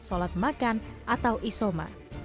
sholat makan atau isoma